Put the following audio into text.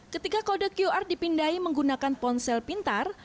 ketika kode qr dipindai menggunakan ponsel pintar